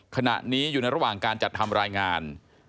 ขณะนี้อยู่ในระหว่างการจัดทำรายงาน